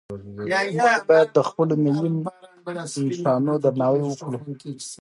موږ باید د خپلو ملي نښانو درناوی وکړو.